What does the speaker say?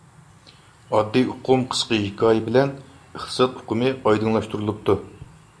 ئاددىي ئۇقۇم قىسقا ھېكايە بىلەن ئىقتىساد ئۇقۇمى ئايدىڭلاشتۇرۇلۇپتۇ.